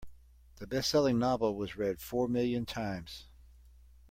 The bestselling novel was read four million times.